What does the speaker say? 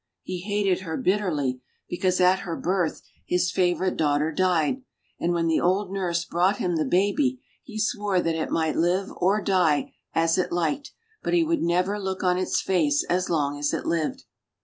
He hated her bitterly, because at her birth his favourite daughter died ; and when the old nurse brought him the baby he swore that it might live or die as it liked, but he would never look on its face as long as it lived.